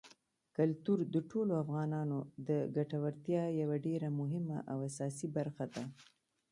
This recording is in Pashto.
کلتور د ټولو افغانانو د ګټورتیا یوه ډېره مهمه او اساسي برخه ده.